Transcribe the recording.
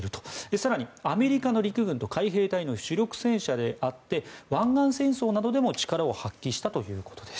更に、アメリカの陸軍と海兵隊の主力戦車であって湾岸戦争などでも力を発揮したということです。